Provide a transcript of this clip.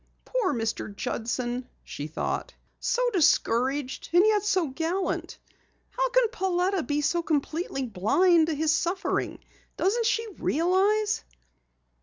"Poor Mr. Judson," she thought. "So discouraged and yet so gallant! How can Pauletta be completely blind to his suffering? Doesn't she realize?"